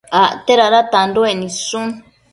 Acte dada tanduec nidshu